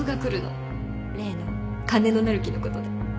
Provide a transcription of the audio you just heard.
例の「金のなる木」の事で。